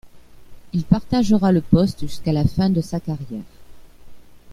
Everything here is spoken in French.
Il partagera le poste jusqu'à la fin de sa carrière.